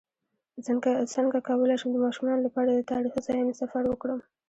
څنګه کولی شم د ماشومانو لپاره د تاریخي ځایونو سفر وکړم